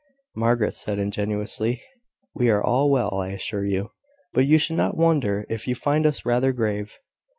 Margaret said ingenuously "We are all well, I assure you; but you should not wonder if you find us rather grave.